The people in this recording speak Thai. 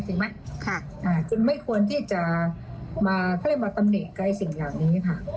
ใช่ไหมค่ะอ่าคือไม่ควรที่จะมาเขาเลยมาตำเนกไกลสิ่งอย่างนี้ค่ะ